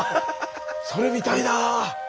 それ見たいなあ。